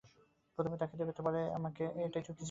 প্রথমে তাকে দেবে, পরে আমাকে, এটাই চুক্তি ছিল।